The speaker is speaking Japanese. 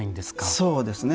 そうですね。